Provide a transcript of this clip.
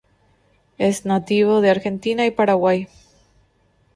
Es nativo de Argentina y Paraguay.